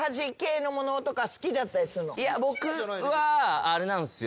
いや僕はあれなんすよ。